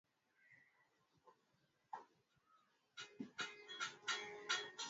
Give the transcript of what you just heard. Waziri wa Mambo ya Nje wa Mali Abdoulaye Diop alisema anga yake imeingiliwa zaidi ya mara hamsini